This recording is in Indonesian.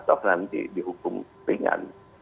atau nanti dihukum ringan